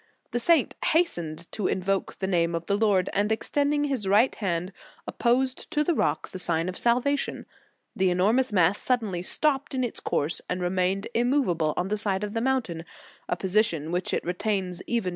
The saint hastened to invoke the name of the Lord, and extending his right hand, opposed to the rock the sign of salva tion. The enormous mass suddenly stopped in its course, and remained immovable on the side of the mountain; a position which it retains even to this day.